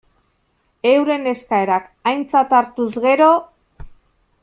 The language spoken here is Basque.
Euren eskaerak aintzat hartuz gero.